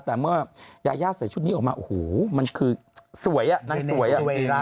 แต่เมื่อยายาใส่ชุดนี้ออกมาโอ้โหมันคือสวยอ่ะนางสวยอ่ะ